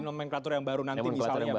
di nomenklatur yang baru nanti